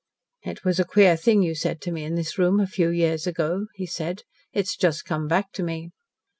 "It was a queer thing you said to me in this room a few years ago," he said. "It has just come back to me."